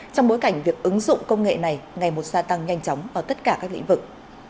trong bối cảnh việc ứng dụng công nghệ này ngày một gia tăng nhanh chóng vào tất cả các lĩnh vực